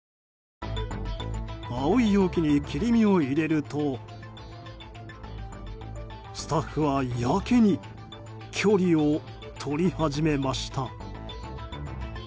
青い容器に切り身を入れるとスタッフがやけに距離を取り始めました。